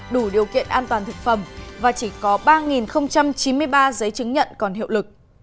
đủ điều kiện an toàn thực phẩm và chỉ có ba chín mươi ba giấy chứng nhận còn hiệu lực